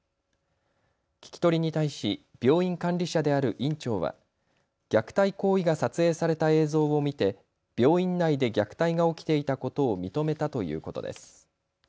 聞き取りに対し病院管理者である院長は虐待行為が撮影された映像を見て病院内で虐待が起きていたことを認めたということです。